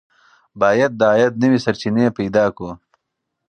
باید د عاید نوې سرچینې پیدا کړو.